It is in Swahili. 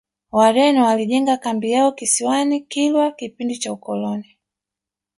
wareno walijenga kambi yao kisiwani kilwa kipindi cha ukoloni